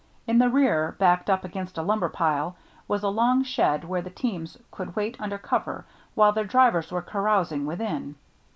In the rear, backed up against a lumber pile, was a long shed where the teams could wait under cover while their drivers were carousing within.